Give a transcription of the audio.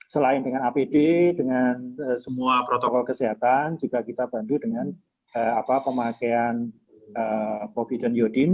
selain dengan apd dengan semua protokol kesehatan juga kita bantu dengan pemakaian providen yodim